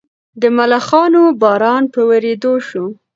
د ملخانو باران په ورېدو شو.